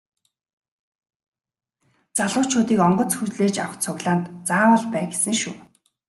Залуучуудыг онгоц хүлээж авах цуглаанд заавал бай гэсэн шүү.